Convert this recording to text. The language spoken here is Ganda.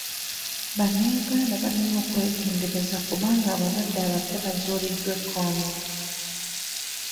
Bannayuganda balina okwegendereza kubanga abalwadde abapya bazuuliddwa e Congo